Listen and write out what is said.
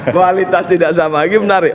kualitas tidak sama menarik